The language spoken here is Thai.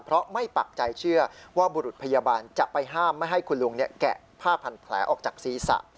เพราะไม่ปักใจเชื่อว่าบุรุษพยาบาลจะไปห้ามไม่ให้คุณลุงแกะผ้าพันแผลออกจากศีรษะ